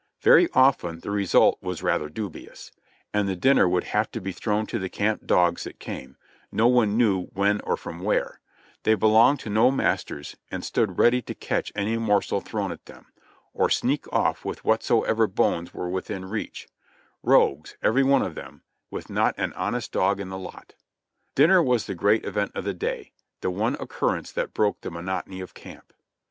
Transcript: Very often the result was rather dubious, and the dinner would have to be thrown to the camp dogs that came, no one knew when or from where; they belonged to no masters, and stood ready to catch any morsel thrown at them, or sneak off with whatsoever bones were within reach ; rogues, every one of them, with not an honest dog in the lot. Dinner was the great event of the day — the one occurrence that broke the monotony of camp.